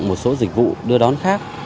một số dịch vụ đưa đón khác